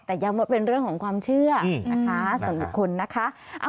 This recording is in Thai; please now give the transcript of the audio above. แต่ย้ำว่าเป็นเรื่องของความเชื่อนะคะสำหรับคนนะคะ